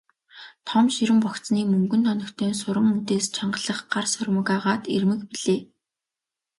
Том ширэн богцны мөнгөн тоногтой суран үдээс чангалах гар сурмаг агаад эрмэг билээ.